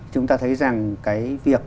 chúng ta thấy rằng cái việc